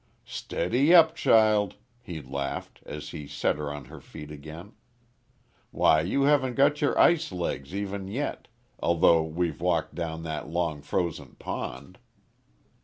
"Steady up, child," he laughed, as he set her on her feet again. "Why you haven't got your ice legs even yet, although we've walked down that long frozen pond."